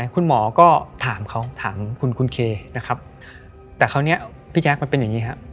คุณหมอก็ถามเขาถามคุณเคนะครับแต่คราวนี้พี่แจ๊คมันเป็นอย่างนี้ครับ